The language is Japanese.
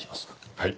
はい。